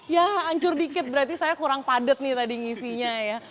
ya hancur dikit berarti saya kurang padat nih tadi ngisinya ya